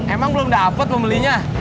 emang belum dapet mau belinya